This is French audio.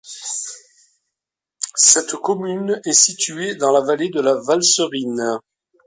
Cette commune est située dans la vallée de la Valserine.